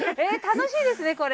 楽しいですねこれ。